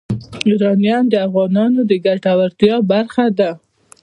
یورانیم د افغانانو د ګټورتیا برخه ده.